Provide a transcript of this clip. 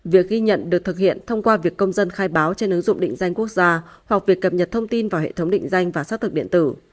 việc ghi nhận được thực hiện thông qua việc công dân khai báo trên ứng dụng định danh quốc gia hoặc việc cập nhật thông tin vào hệ thống định danh và xác thực điện tử